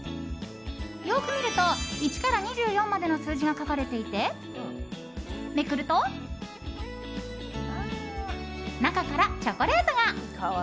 よく見ると１から２４までの数字が書かれていてめくると、中からチョコレートが。